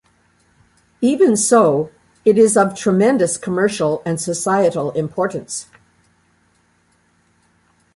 Even so, it is of tremendous commercial and societal importance.